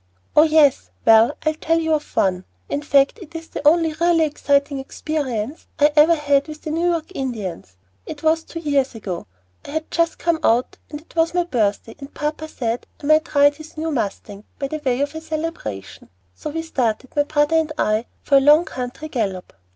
"Oh, yes well, I'll tell you of one; in fact it is the only really exciting experience I ever had with the New York Indians. It was two years ago; I had just come out, and it was my birthday, and papa said I might ride his new mustang, by way of a celebration. So we started, my brother and I, for a long country gallop.